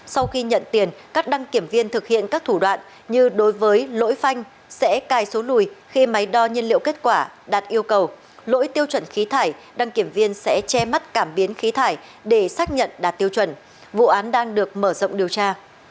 sau khi nhận tiền các đăng kiểm viên thực hiện các thủ đoạn như đối với lỗi phanh sẽ cài số lùi khi máy đo nhiên liệu kết quả đạt yêu cầu lỗi tiêu chuẩn khí thải đăng kiểm viên sẽ che mắt cảm biến khí thải để xác nhận đạt tiêu chuẩn vụ án đang được mở rộng điều tra